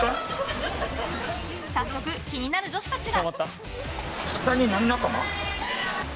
早速、気になる女子たちが。